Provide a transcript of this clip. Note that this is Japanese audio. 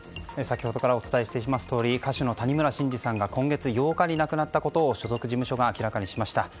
先ほどからお伝えしていますとおり歌手の谷村新司さんが今月８日に亡くなったことを所属事務所が明らかにしました。